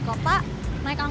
kota jawa tenggara